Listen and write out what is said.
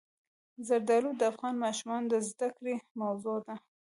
زردالو د افغان ماشومانو د زده کړې موضوع ده.